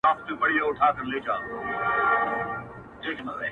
په خپل زړه کي د مرګې پر کور مېلمه سو-